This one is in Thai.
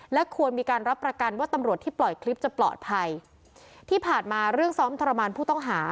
และควรมีการรับประกันว่าตำรวจที่ปล่อยคลิปจะปลอดภัยที่ผ่านมาเรื่องซ้อมทรมานผู้ต้องหา